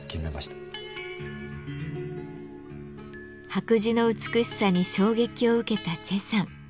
白磁の美しさに衝撃を受けた崔さん。